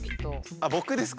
あっ僕ですか？